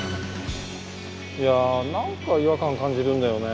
いやなんか違和感感じるんだよね。